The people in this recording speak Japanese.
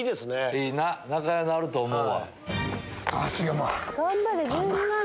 いいな仲良うなると思うわ。